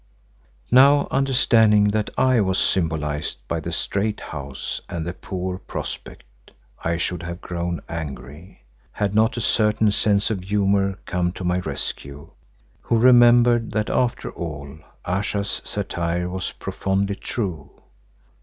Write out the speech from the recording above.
Now understanding that I was symbolised by the "strait house" and the "poor prospect" I should have grown angry, had not a certain sense of humour come to my rescue, who remembered that after all Ayesha's satire was profoundly true.